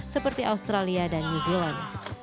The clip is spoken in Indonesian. seperti australia dan new zealand